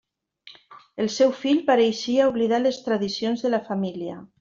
El seu fill pareixia oblidar les tradicions de la família.